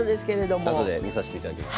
あとで見させていただきます。